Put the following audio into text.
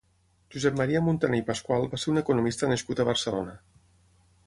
Josep Maria Muntaner i Pasqual va ser un economista nascut a Barcelona.